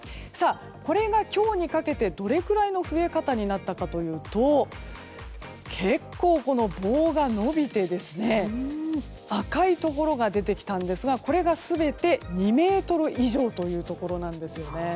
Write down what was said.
これが今日にかけてどれぐらいの増え方になったかというと結構、棒が伸びて赤いところが出てきたんですがこれが全て２ｍ以上のところなんです。